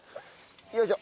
よいしょ。